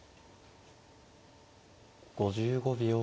５５秒。